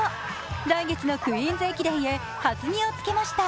来月のクイーンズ駅伝へはずみをつけました。